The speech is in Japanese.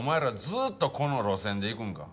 ずーっとこの路線でいくんか？